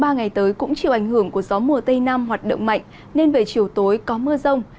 ba ngày tới cũng chịu ảnh hưởng của gió mùa tây nam hoạt động mạnh nên về chiều tối có mưa rông